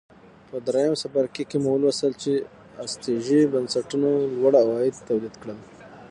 په درېیم څپرکي کې مو ولوستل چې استثري بنسټونو لوړ عواید تولید کړل